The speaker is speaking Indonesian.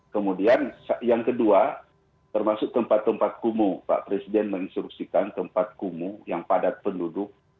kemudian yang kedua termasuk tempat tempat kumuh pak presiden menginstruksikan tempat kumuh yang padat penduduk